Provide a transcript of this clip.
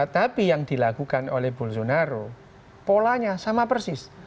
tapi yang dilakukan oleh bolsonaro polanya sama persis